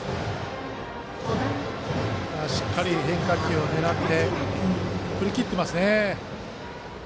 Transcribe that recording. しっかり変化球を狙って振り切っていますね。